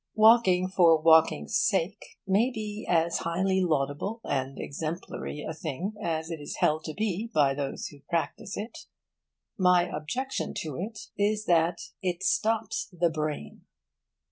Walking for walking's sake may be as highly laudable and exemplary a thing as it is held to be by those who practise it. My objection to it is that it stops the brain.